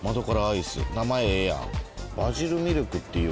名前ええやん。